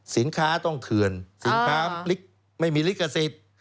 สินค้าต้องเถื่อนสินค้าไม่มีลิขสิทธิ์